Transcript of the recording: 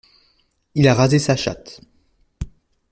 Il a rasé sa chatte.